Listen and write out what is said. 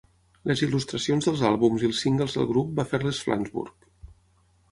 Les il·lustracions dels àlbums i els singles del grup va fer-les Flansburgh.